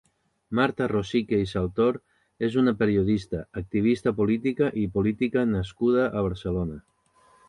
Marta Rosique i Saltor és una periodista, activista política i política nascuda a Barcelona.